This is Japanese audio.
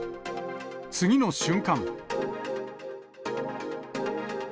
次の瞬間。